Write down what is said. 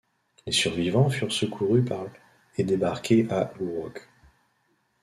Les survivants furent secourus par l' et débarqués à Gourock.